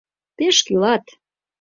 — Пеш кӱлат!